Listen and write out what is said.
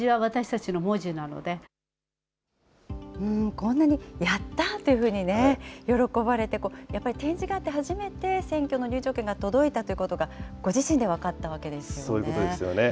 こんなに、やったーというふうにね、喜ばれて、やっぱり点字があって、初めて選挙の入場券が届いたということが、ご自身で分かったそういうことですよね。